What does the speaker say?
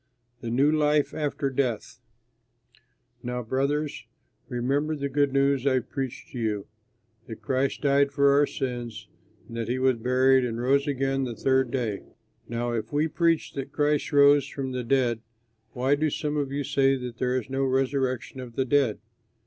THE NEW LIFE AFTER DEATH Now, brothers, remember the good news I preached to you, that Christ died for our sins, and that he was buried and rose again the third day. Now if we preach that Christ rose from the dead, why do some of you say that there is no resurrection of the dead?